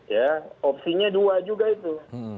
ya opsinya dua juga itu